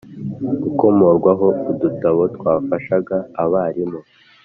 gukomorwaho udutabo twafashaga abarimu